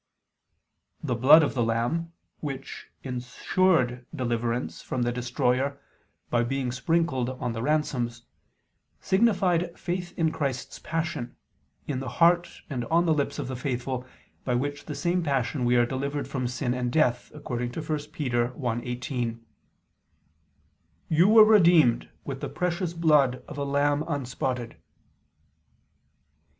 The blood of the lamb, which ensured deliverance from the destroyer, by being sprinkled on the ransoms, signified faith in Christ's Passion, in the hearts and on the lips of the faithful, by which same Passion we are delivered from sin and death, according to 1 Pet. 1:18: "You were ... redeemed ... with the precious blood ... of a lamb unspotted."